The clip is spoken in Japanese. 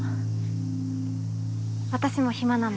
私も暇なんで。